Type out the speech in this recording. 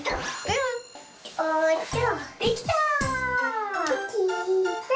できた！